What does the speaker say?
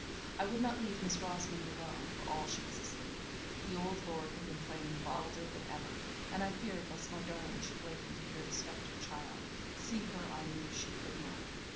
I would not leave Miss Rosamond alone, for all she was asleep for the old lord had been playing wilder than ever and I feared lest my darling should waken to hear the spectre child; see her, I knew she could not.